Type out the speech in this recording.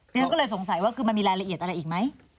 ฉันก็เลยสงสัยว่าคือมันมีรายละเอียดอะไรอีกไหม